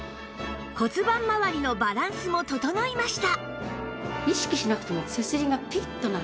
骨盤まわりのバランスも整いました